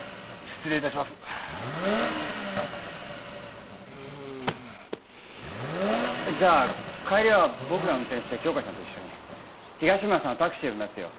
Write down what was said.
失礼いたしますうんっあっじゃあ帰りは僕が運転して杏花ちゃんと一緒に東村さんはタクシー呼びますよ